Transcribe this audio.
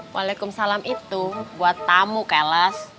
waalaikumsalam itu buat tamu cales